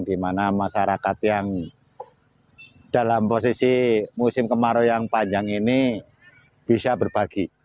di mana masyarakat yang dalam posisi musim kemarau yang panjang ini bisa berbagi